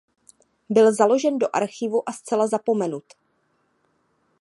Byl založen do archivu a zcela zapomenut.